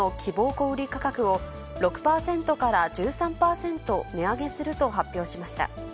小売り価格を、６％から１３％値上げすると発表しました。